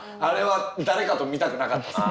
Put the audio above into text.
あれは誰かと見たくなかった。